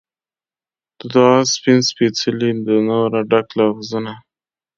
د دعا سپین سپیڅلي د نوره ډک لفظونه